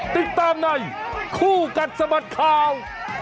ติดตามในคู่กัดสะบัดข่าว